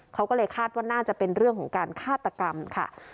เขาก็เลยคาดว่าน่าจะเป็นเรื่องของการฆาตกรรมค่ะ